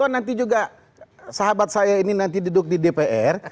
nanti juga sahabat saya ini nanti duduk di dpr